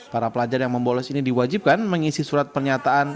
para pelajar yang membolos ini diwajibkan mengisi surat pernyataan